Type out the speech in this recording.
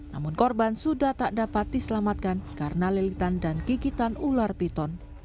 namun korban sudah tak dapat diselamatkan karena lilitan dan gigitan ular piton